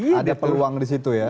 ada peluang di situ ya